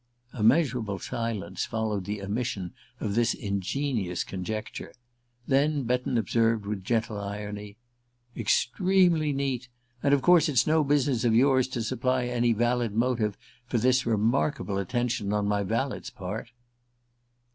A measurable silence followed the emission of this ingenious conjecture; then Betton observed with gentle irony: "Extremely neat. And of course it's no business of yours to supply any valid motive for this remarkable attention on my valet's part."